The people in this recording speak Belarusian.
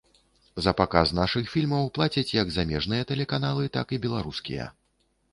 За паказ нашых фільмаў плацяць як замежныя тэлеканалы, так і беларускія.